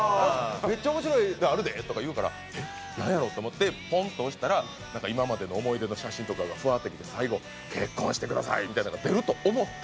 「めっちゃ面白いのがあるで」とか言うからなんやろう？と思ってポンッと押したら今までの思い出の写真とかがフワーってきて最後「結婚してください」みたいなのが出ると思って。